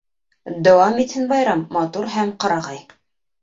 Дауам итһен байрам, матур һәм ҡырағай